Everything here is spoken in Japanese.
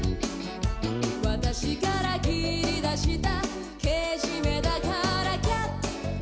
「私から切り出したけじめだからキャッチしてよ」